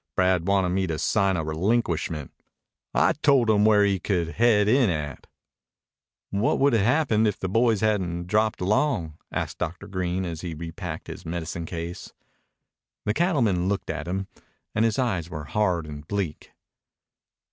Brad wanted me to sign a relinquishment. I told him where he could head in at." "What would have happened if the boys hadn't dropped along?" asked Dr. Green as he repacked his medicine case. The cattleman looked at him, and his eyes were hard and bleak.